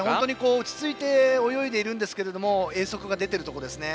落ち着いて泳いでるんですが泳速が出ているところですね。